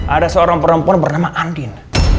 ada seorang perempuan bernama andin